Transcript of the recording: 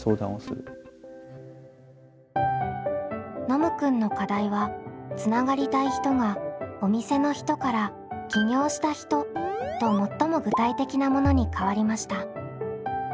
ノムくんの課題はつながりたい人が「お店の人」から「起業した人」と最も具体的なものに変わりました。